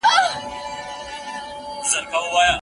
آیا پوهنتون تر ښوونځي لوی دی؟